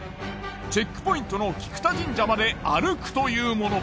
チェックポイントの菊田神社まで歩くというもの。